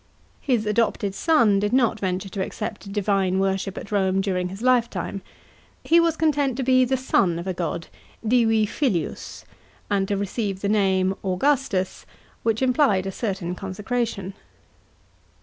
His adopted son did not venture to accept divine worship at Rome during his lifetime ;* he was content to be the son of a god, divifilius, and to receive the name Augustus, which implied a certain consecration.